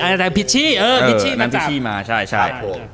อันนั้นพิชชี่มาจับ